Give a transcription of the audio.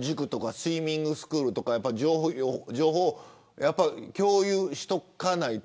塾とかスイミングスクールとか情報を共有しておかないと。